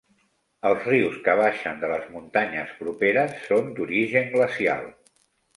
Els rius que baixen de les muntanyes properes són d'origen glacial.